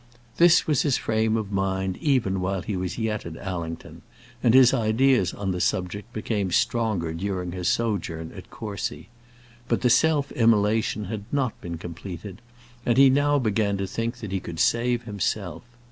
This was his frame of mind even while he was yet at Allington, and his ideas on the subject had become stronger during his sojourn at Courcy. But the self immolation had not been completed, and he now began to think that he could save himself.